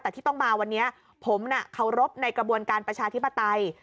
แต่ที่ต้องมาวันนี้ผมเคารพในกระบวนการประชาธิปไตย